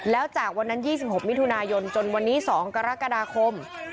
แล้วจากวันนั้น๒๖มิถุนายนจนวันนี้๒กรกฎาคม